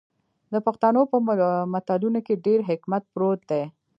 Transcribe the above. د پښتنو په متلونو کې ډیر حکمت پروت دی.